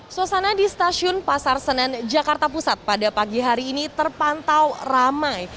suasana di stasiun pasar senen jakarta pusat pada pagi hari ini terpantau ramai